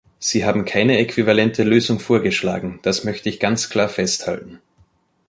Sie haben keine äquivalente Lösung vorgeschlagen, das möchte ich ganz klar festhalten.